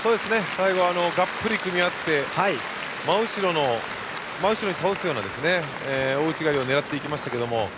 最後は、がっぷり組み合って真後ろに倒すような大内刈りを狙っていきましたけれども。